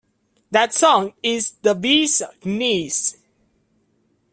That song is the bee’s knees.